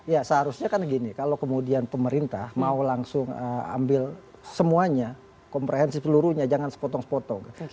ya seharusnya kan gini kalau kemudian pemerintah mau langsung ambil semuanya komprehensi pelurunya jangan sepotong sepotong